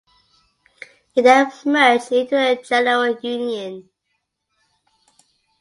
It then merged into the General Union.